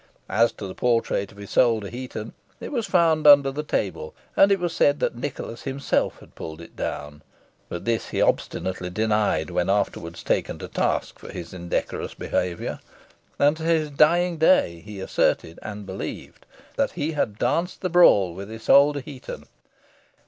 As to the portrait of Isole de Heton, it was found under the table, and it was said that Nicholas himself had pulled it down; but this he obstinately denied, when afterwards taken to task for his indecorous behaviour; and to his dying day he asserted, and believed, that he had danced the brawl with Isole de Heton.